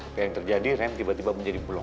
apa yang terjadi rem tiba tiba menjadi bulog